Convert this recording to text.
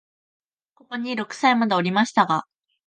ここに六歳までおりましたが、